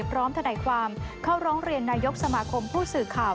ทนายความเข้าร้องเรียนนายกสมาคมผู้สื่อข่าว